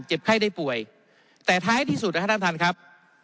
เจ็บไข้ได้ป่วยแต่ท้ายที่สุดนะธท่านธรรมครับ